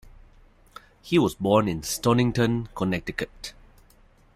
He was born in Stonington, Connecticut.